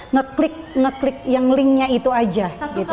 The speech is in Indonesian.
ngeklik ngeklik yang linknya itu aja